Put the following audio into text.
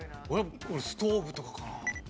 ストーブとかかな？